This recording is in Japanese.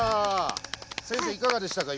先生いかがでしたか？